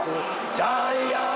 「ジャイアンツ」